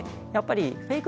フェイク